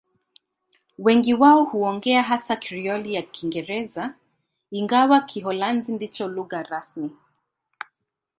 Wengi wao huongea hasa Krioli ya Kiingereza, ingawa Kiholanzi ndicho lugha rasmi.